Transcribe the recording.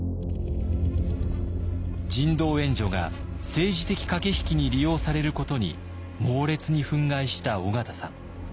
人道援助が政治的駆け引きに利用されることに猛烈に憤慨した緒方さん。